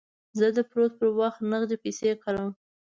زه د پیرود پر وخت نغدې پیسې کاروم.